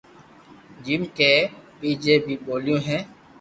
جيم ڪي ٻيجي بي ٻوليو ھي